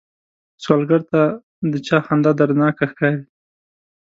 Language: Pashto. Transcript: سوالګر ته د چا خندا دردناکه ښکاري